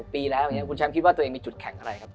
๕๖ปีแล้วคุณแชมป์คิดว่าตัวเองมีจุดแข่งอะไรครับ